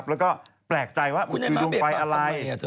แล้วก็แปลกใจว่ามันคือดวงไฟอะไร